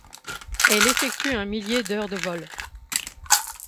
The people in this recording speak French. Elle effectue un millier d'heures de vol.